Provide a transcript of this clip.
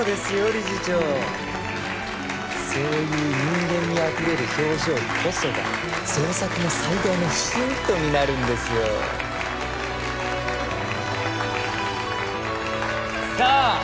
理事長そういう人間味あふれる表情こそが創作の最大のヒントになるんですよさあ